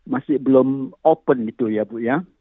masih belum open gitu ya bu ya